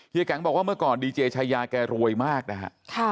แก๊งบอกว่าเมื่อก่อนดีเจชายาแกรวยมากนะฮะ